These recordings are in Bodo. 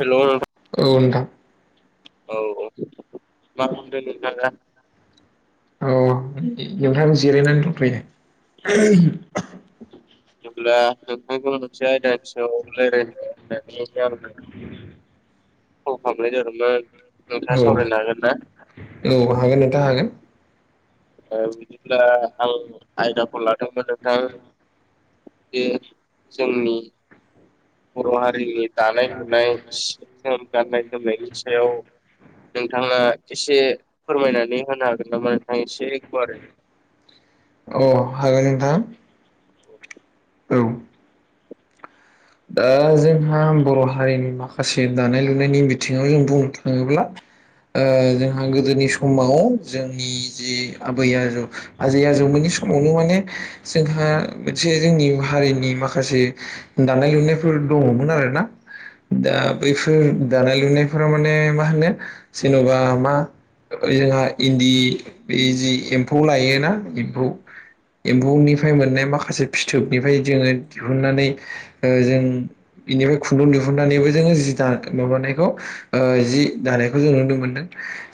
हेल' नोंथां औ नोंथां औ औ मा खालामदों नोंथां दा अ नोंथां जिरायनानै दंथयो [unintelligible] कल खालामनाय जादोंमोन औ नोंथाङा सावरायनो हागोन ना औ हागोन नोंथां हागोन ओ बिदिब्ला हाल आयदाखौ लादोंमोन नोंथां बे जोंनि बर' हारिनि दानाय-लुनाय गानाय-जोमनायनि सायाव नोंथाङा एसे फोरमायनानै होनो हागोन नामा नोंथां एसे एकबार ओ नोंथां औ दा जोंहा बर' हारिनि माखासे दानाय लुनायनि बिथिङाव जों बुंनो थाङोब्ला ओ जोंहा गोदोनि समाव जोंनि जे आबै आजौ आजै आजौमोननि समावनो माने जोंहा मोनसे जोंनि हारिनि माखासे दानाय लुनायफोर दङमोन आरो ना दा बैफोर दानाय लुनायफोरा माने मा होनो जेनबा मा जोंहा इन्दि बे जि एम्फौ लायोना एम्फौ एम्बौनिफ्राय मोननाय माखासे फिथोबनिफ्राय जोंङो दिहुननानै ओ जों बेनिफ्राय खुन्दुं दिुहुननानैबो जोंङो जि दा माबानायखौ ओ जि दानायखौ जों नुनो मोनदों।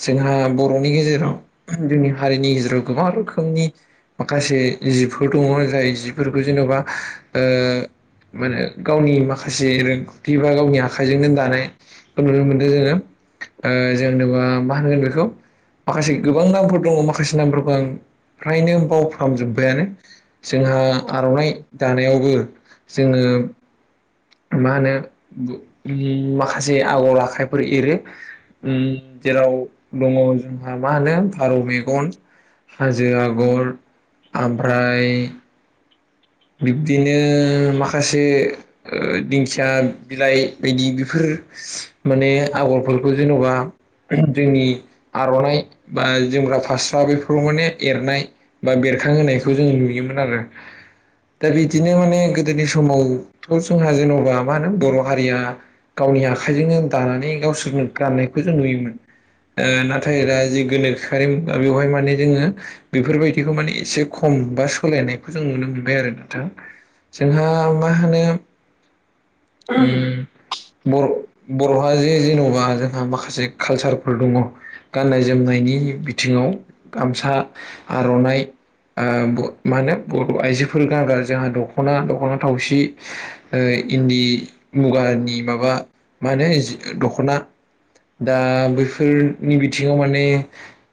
जोंहा बर'नि गेजेराव जोंनि हारिनि गेजेराव गोबां रोखोमनि माखासे जिफोर दङ जाय जिफोरखौ जेनबा ओ माने गावनि माखासे रोंगौथि बा गावनि आखाइजोंनो दानायखौ नुनो मोन्दों जोंङो ओ जेनेनोबा मा होनगोन बेखौ माखासे गोबां नामफोर दङ माखासे नामफोरखौ आं फ्रायनो बावफ्रामजोब्बायानो जोंहा आरनाइ दानायावबो जोंङो मा होनो माखासे उ आगर आखाइफोर एरो उम जेराव दङ जोंहा मा होनो फारौ मेगन हाजो आगर ओमफ्राय बिब्दिनो माखासे ओ दिंखिया बिलाइ बायदि बेफोर माने आगरफोरखौ जेनबा जोंनि आरनाइ बा जोमग्रा फास्रा बेफोराव माने एरनाय बा बे दैथां होनायखौ जों नुयोमोन आरो दा बिदिनो माने गोदोनि समावथ जोंहा जेनबा मा होनो बर हारिया गावनि आखाइजोंनो दानानै गावसोरनो गाननायखौ जों नुयोमोन नाथाय दा जि गोनोखोआरि बेवहाय माने जोंङो बेफोरबायदिखौ माने एसे खम बा सोलायनायखौ जों नुनो मोनबाय आरो नोंथां जोंहा मा होनो उ बर' बरहा जे जेनबा जोंहा माखासे कालसारफोर दङ गाननाय जोमनायनि बिथिङाव गामसा आरनाइ ओ मा होनो बर' आइजोफोर नागार जोंहा दख'ना दख'ना थावसि ओ इन्दि मुगानि माबा मा होनो दख'ना दा बैफोरनि बिथिङाव माने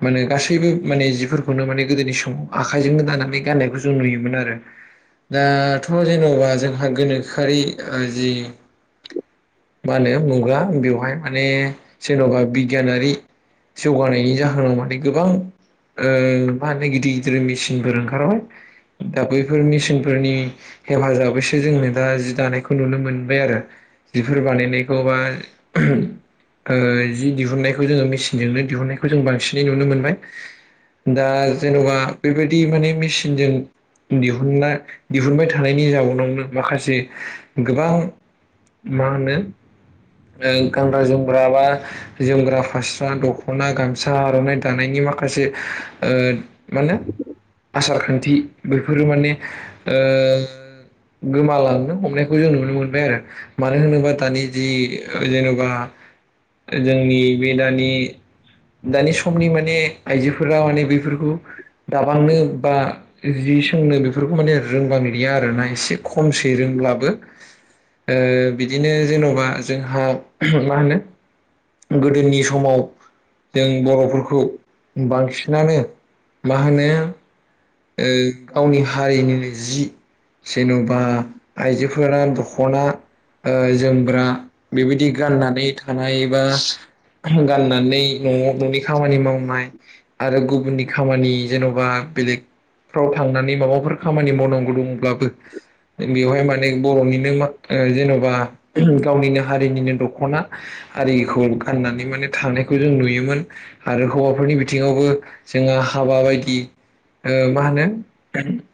माने गासैबो माने जिफोरखौनो माने गोदोनि समाव आखाइजोंनो दानानै गाननायखौ जों नुयोमोन आरो दाथ' जेनबा जोंहा गोनोखोआरि ओ जि मा होनो मुगा बेवहाय माने जेनबा बिगियानारि जौगानायनि जाहोनाव माने गोबां। ओ मा होनो गिदिर गिदिर मेसिनफोर ओंखारबाय। दा बैफोर मेसिनफोरनि हेफाजाबैसो जोंङो दा जि दानायखौ नुनो मोनबाय आरो। बिफोर बानायनायखौबा ओ जि दिहुननायखौ जोंङो मेसिनजोंनो दिहुननायखौ जों बांसिनै नुनो मोनबाय। दा जेनेबा बेबायदि माने मेसिनजों दिहुनना दिहुनबाय थानायनि जाउनावनो माखासे गोबां मा होनो ओं गानग्रा जोमग्रा बा जोमग्रा, फास्रा, दख'ना, गामसा, आर'नाइ दानायनि माखासे ओ मा होनो आसार खान्थि बेफोरो माने ओ गोमालांनो हमनायखौ जों नुनो मोनबाय आरो। मानो होनोबा दानि जि जेन'बा जोंनि बे दानि दानि समनि माने आइजोफोरा माने बेफोरखौ दाबांनो बा जि सोंनो बेफोरखौ माने रोंबांलिया आरोना एसे खमसै रों ब्लाबो ओ बिदिनो जेन'बा जोंहा मा होनो गोदोनि समाव जों बर'फोरखौ बांसिनानो मा होनो ओ गावनि हारिनिनि जि जेन'बा आइजोफोरा दख'ना। ओ जोमग्रा बेबायदि गाननानै थानायबा गाननानै न'आव न'नि खामानि मावनाय आरो गुबुननि खामानि जेन'बा बेलेग फ्राव थांनानै माबाफोर खामानि मावनांगौ दंब्लाबो बेवहाय माने बर'निनो मा ओं जेन'बा गावनिनो हारिनिनो दख'ना आरिखौ गाननानै माने थानायखौ जों नुयोमोन आरो हौवाफोरनि बिथिङावबो जोंहा हाबा बायदि ओ मा होनो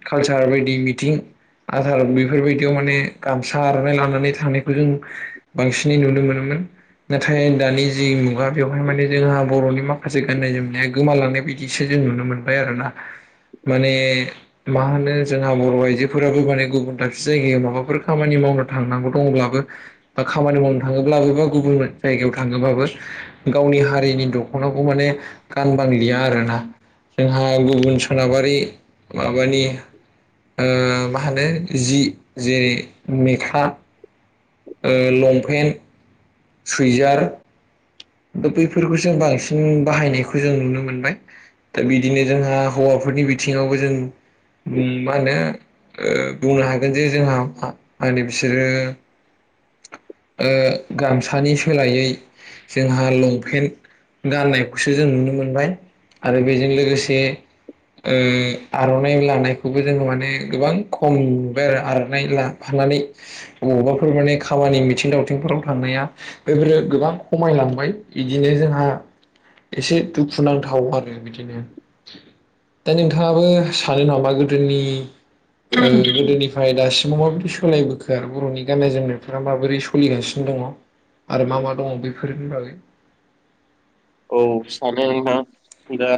कालसार बायदि मिथिं आरो आं बेफोरबायदियाव माने गामसा आर'नाय लानानै थांनायखौ जों बांसिनै नुनो मोनोमोन। नाथाय दानि जि मुगा बेवहाय माने जोंहा बर'नि माखासे गाननाय जोमनाया गोमालांनाय बिदिसो जों नुनो मोनबाय आरोना। माने मा होनो जोंहा बर' आइजोफोराबो माने गुबुन दाबसे जायगायाव माबाफोर खामानि मावनो थांनांगौ दङब्लाबो बा खामानि मावनो थाङोब्लाबो बा गुबुन जायगायाव थाङोब्लाबो गावनि हारिनि दख'नाखौ माने गानबांलिया आरोना जोंहा गुबुन सोनाबारि माबानि ओ मा होनो जि जेरै मेख्ला ओ लंपेन्ट, सुइजार दा बैफोरखौ जों बांसिन बाहायनायखौ जों नुनो मोनबाय। दा बिदिनो जोंहा हौवाफोरनि बिथिङावबो जों ओम मा होनो ओ बुंनो हागोन जे जोंहा मा-माने बिसोरो [inaudible] ओ गामसानि सोलायै जोंहा लंपेन्ट गाननायखौसो जों नुनो मोनबाय आरो बेजों लोगोसे ओ आर'नाइ लानायखौबो जोङो माने गोबां खम नुबाय आरो आर'नाइ ला माने बबावबाफोर माने खामानि मिथिं दावथिंफोराव थांनाया बेफोरो गोबां खमायलांबाय बिदिनो जोंहा एसे दुखु नांथाव आरो बिदिनो। दा नोंथाङाबो सानो नामा गोदोनि ओ गोदोनिफ्राय दासिमाव माबायदि सोलायबोखो आरो बर'नि गाननाय जोमनाय फोरा माबोरै सोलिगासिनो दङ आरो मा मा दङ बेफोरनि बागै? औ सानो नोंथां दा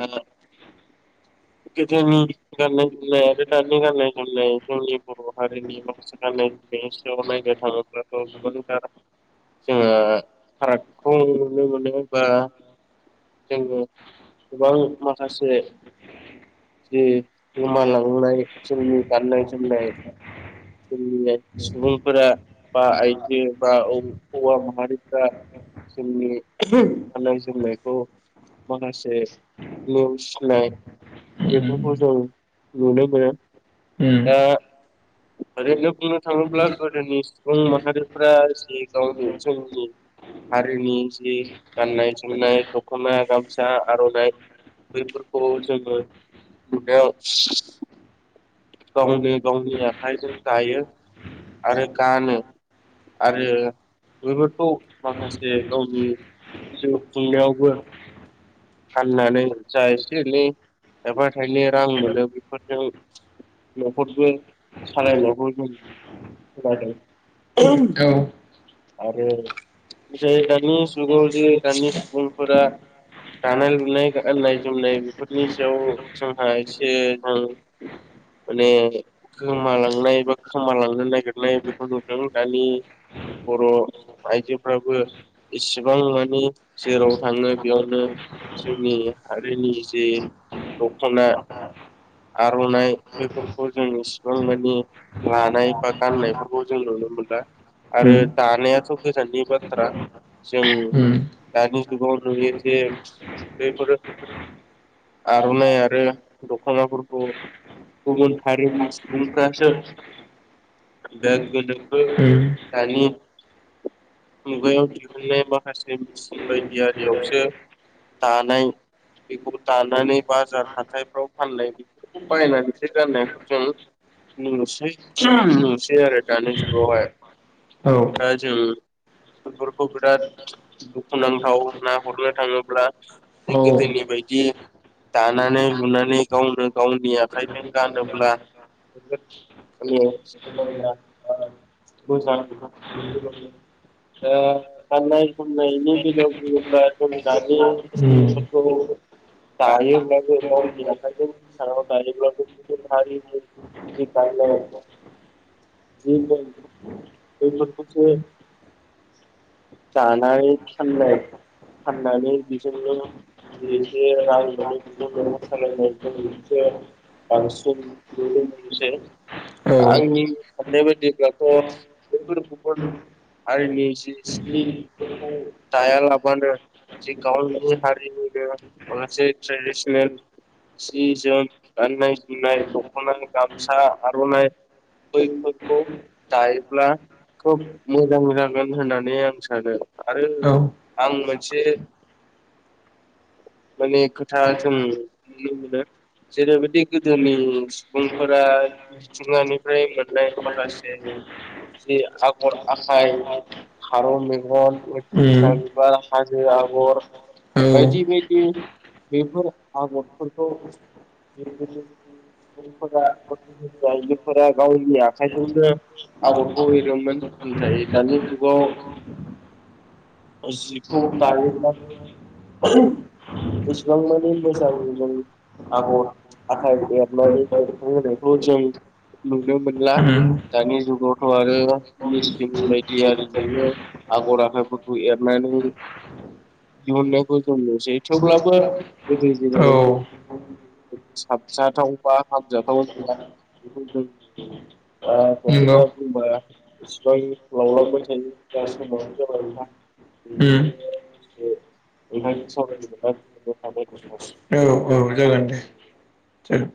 गोदोनि गाननाय जोमनाय आरो दानि गाननाय जोमनाय जोंनि बर' हारिनि माखासे गाननाय [inaudible] बेनि सिङाव नायनो थाङोब्लाथ' गोबांथार जोङो फारागखौ नुनो मोनदों बा जोङो गोबां [unintelligible] जे गोमालांनाय जोंनि गाननाय जोमनाय जोंनिनो सुबुंफोरा बा आइजो बा औ हौवा माहारिफोरा जोंनि [unintelligible] गाननाय जोमनायखौ माखासे नेवसिनाय उम बेफोरखौ जों नुनो मोनो। उम दा ओरैनो बुंनो थाङोब्ला गोदोनि सुबुं माहारिफ्रा जि गावनि जोंनि हारिनि जि गाननाय जोमनाय दख'ना गामसा आर'नाइ बैफोरखौ जोङो [unintelligible] गावनि गावनि आखाइजों दायो आरो गानो आरो बेफोरखौ माखासे गावनि जिउ खुंनायावबो फाननानै जा एसे एनै थायफा थाइनै रां मोनो बेफोरजों न'खरबो सालायनायबो जों [unintelligible] [unintelligible] औ आरो बे दानि जुगाव जे दानि सुबुंफोरा दानाय लुनाय गाननाय जोमनाय बेफोरनि सायाव जोंहा एसे जों माने गोमालांनाय बा खोमालांनो नागिरनाय बेखौ नुदों दानि बर' आइजोफ्राबो इसेबां माने जेराव थाङो बेयावनो जोंनि हारिनि जे दख'ना आर'नाइ बेफोरखौ जों इसिबां मानि लानाय बा गाननायफोरखौ जों नु नुनो मोनला आरो उम दानायाथ' गोजाननि बाथ्रा जों उम दानि जुगाव नुयो जे बेफोरो आर'नाइ आरो दख'नाफोरखौ गुबुन हारिनि सुबुंफोरासो [unintelligible] उम दानि मुगायाव दिहुननाय माखासे मेचिन बायदि आरियावसो दानाय बेखौ दानानै बाजार हाथायफ्राव फाननाय बेफोरखौ बायनानैसो गाननायखौ जों नुसै नुसै आरो दानि जुगावहाय औ दा जों बेफोरखौ बिराद दुखुनांथाव नाहरनो थाङोब्ला बे औ गोदोनि बायदि दानानै लुनानै गावनो गावनि आखाइजों गानोब्ला [unintelligible] [unintelligible] ओ गाननाय जोमनायनि बेलायाव बुङोब्ला [unintelligible] दायो [unintelligible] [unintelligible] [unintelligible] दानाय फाननाय फाननानै बिजोंनो जि एसे रां मोनो बिजों न'खर सालायनायजों एसे [unintelligible] आंनि उम साननाय बादिब्लाथ' औ गुबुन औ उम औ गुबुन हारिनि जि जिफोरखौ दायालाबानो जे गावनि हारिनिनो माखासे ट्रेडिसनेल उम सि जोम गाननाय जोमनाय दख'ना गामसा आर'नाइ बैफोरखौ दायोब्ला खोब मोजां जागोन होननानै आं सानो आरो आं मोन से माने खोथा जों नुनो मोनो। जेरैबायदि गोदोनि सुबुंफोरा मिथिङानिफ्राय मोननाय माखासे जि आगर आखाय फारौ मेगन दिंखिया बिबार हाजो आगर औ बायदि बायदि बेफोर आगरफोरखौ बे बर'फोरा आइजोफोरा गावनि आखाइजोंनो आगरखौ एरोमोन नाथाय दानि जुगाव जि खौ दायोब्ला एसेबां मानि मोजां मोनो आगर आखाइ एरनानै एरथ होनायखौ जों नुनो मोनला नंगौ दानि जुगावथ' आरो मेचिन बायदि आरिजोंनो आगर आखाइफोरखौ एरनाय [unintelligible] दिहुननायखौ जनो'सै थेवब्लाबो गोदो जेरैबायदि साबजाथाव बा हामजाथाव ना ओ खोथाया बुंबा इसेबां लावलांबाय थायो जा साबो जाबाया उम बेनिखायनो नोंथांनि सावरायनो मोनना गोजोननाय थाबाय औ नोंथां औ जागोन दे जागोन